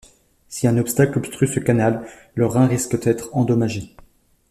Si un obstacle obstrue ce canal, le rein risque d’être endommagé.